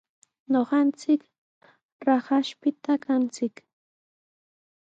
Ñuqanchik Raqashpita kanchik.